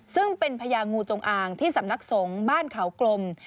ซึ่งเป็นพญางูจงอางที่สำนักสงฆ์บ้านเขากลม